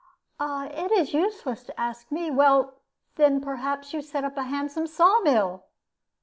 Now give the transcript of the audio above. "It is useless to ask me. Well, then, perhaps you set up a handsome saw mill!"